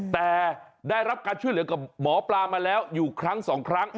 แต่ได้รับการช่วยเหลือกับหมอปลามาแล้วอยู่ครั้งสองครั้ง